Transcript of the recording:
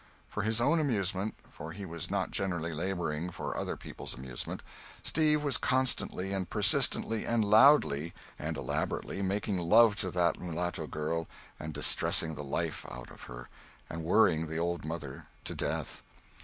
For his own amusement for he was not generally laboring for other people's amusement Steve was constantly and persistently and loudly and elaborately making love to that mulatto girl and distressing the life out of her and worrying the old mother to death.